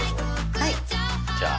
はい。